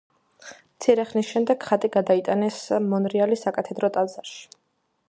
მცირე ხნის შემდეგ ხატი გადაიტანეს მონრეალის საკათედრო ტაძარში.